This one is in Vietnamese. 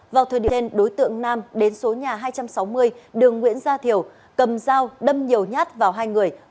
vào thời điểm đối tượng nam đến số nhà hai trăm sáu mươi đường nguyễn gia thiểu cầm dao đâm nhiều nhát vào hai người